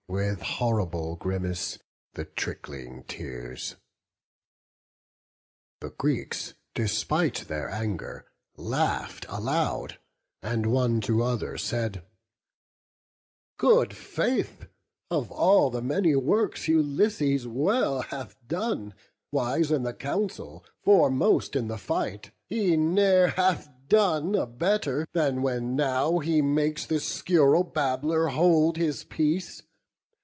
With horrible grimace, the trickling tears. The Greeks, despite their anger, laugh'd aloud, And one to other said, "Good faith, of all The many works Ulysses well hath done, Wise in the council, foremost in the fight, He ne'er hath done a better, than when now He makes this scurril babbler hold his peace.